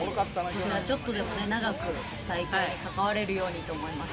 ちょっとでもね、長く大会に関われるようにと思います。